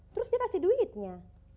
terus dia kasih duitnya